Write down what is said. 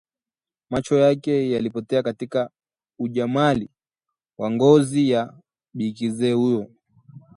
Macho yake yalipotea katika ujamali wa ngozi ya bikizee huyo